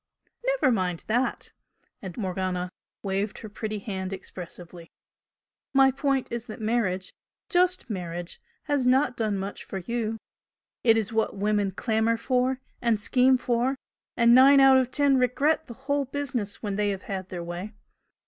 "Never mind that!" and Morgan waved her pretty hand expressively "My point is that marriage just marriage has not done much for you. It is what women clamour for, and scheme for, and nine out of ten regret the whole business when they have had their way.